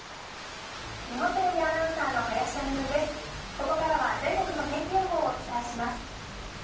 ここからは全国の天気予報をお伝えします。